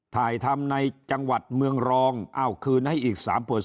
ถ่ายทำในจังหวัดเมืองรองอ้าวคืนให้อีก๓